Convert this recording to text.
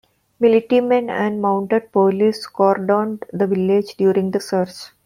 Militiamen and mounted police cordoned the village during the search.